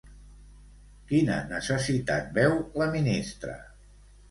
Quina necessitat veu la ministra?